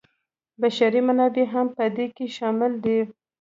بشري منابع هم په دې کې شامل دي.